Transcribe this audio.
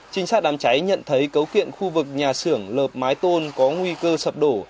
trinh sát đám cháy nhận thấy cấu kiện khu vực nhà xưởng lợp mái tôn có nguy cơ sập đổ